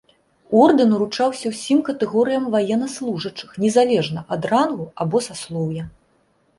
Ордэн уручаўся ўсім катэгорыям ваеннаслужачых незалежна ад рангу або саслоўя.